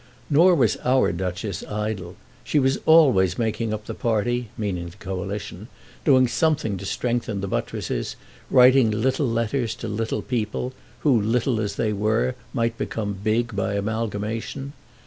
Nor was our Duchess idle. She was always making up the party, meaning the coalition, doing something to strengthen the buttresses, writing little letters to little people, who, little as they were, might become big by amalgamation.